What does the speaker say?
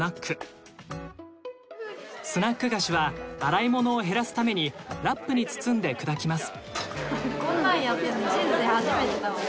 スナック菓子は洗い物を減らすためにラップに包んで砕きます。